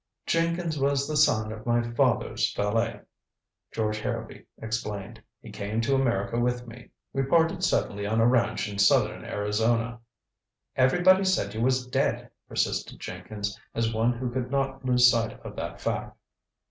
"Jenkins was the son of my father's valet," George Harrowby explained. "He came to America with me. We parted suddenly on a ranch in southern Arizona." "Everybody said you was dead," persisted Jenkins, as one who could not lose sight of that fact.